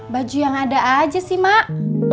baju yang ada aja sih mak